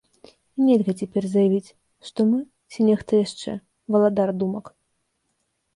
І нельга цяпер заявіць, што мы ці нехта яшчэ валадар думак.